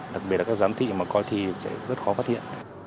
đặc biệt là các giám thị mà coi thi sẽ rất khó phát hiện